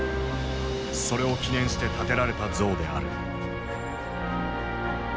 それを記念して建てられた像である。